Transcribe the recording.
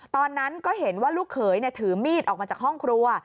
ตอนนั้นก็เห็นว่าลูกเขยถือมีดออกมาจากห้องครัว